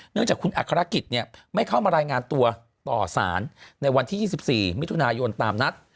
เนื่องจากคุณอักษรกิจเนี่ยไม่เข้ามารายงานตัวต่อศาลในวันที่๒๔มิถุนายนตามนัด